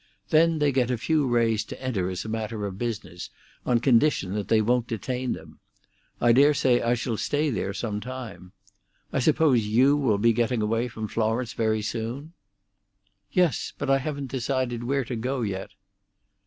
Then they get a few rays to enter as a matter of business, on condition that they won't detain them. I dare say I shall stay there some time. I suppose you will be getting away from Florence very soon. "Yes. But I haven't decided where to go yet."